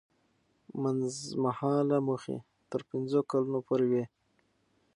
منځمهاله موخې تر پنځو کلونو پورې وي.